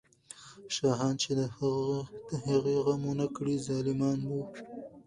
شاهان چې د هغې غم ونه کړ، ظالمان وو.